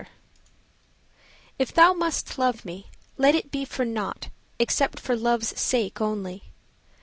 XIV If thou must love me, let it be for nought Except for love's sake only.